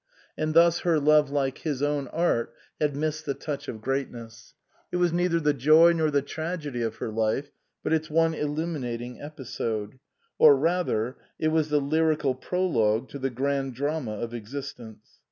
And thus her love like his own art had missed the touch of greatness. It was neither the joy nor the tragedy of her life, but its one illuminating episode ; or rather, it was the lyrical prologue to the grand drama of existence.